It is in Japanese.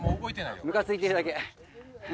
むかついてるだけ。